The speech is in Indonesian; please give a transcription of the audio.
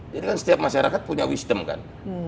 jadi kan setiap masyarakat punya wisdom kan